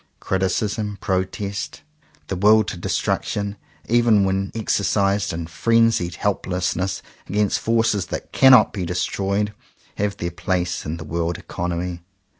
Criticism, pro test, the will to destruction, even when exercised in frenzied helplessness against forces that cannot be destroyed, have their place in the world economy.